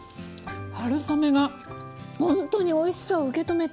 春雨がほんとにおいしさを受け止めて。